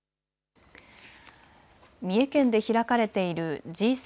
三重県で開かれているＧ７